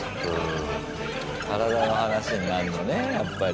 体の話になんのねやっぱり。